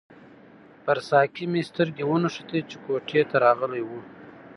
پر ساقي مې سترګې ونښتې چې کوټې ته راغلی وو.